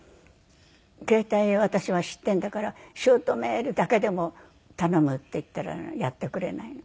携帯を私は知ってるんだから「ショートメールだけでも頼む」って言ったらやってくれないの。